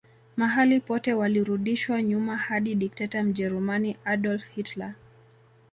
Mahali pote walirudishwa nyuma hadi Dikteta Mjerumani Adolf Hitler